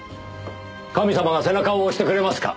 神様が背中を押してくれますか？